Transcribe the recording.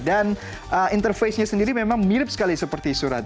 dan interface nya sendiri memang mirip sekali seperti surat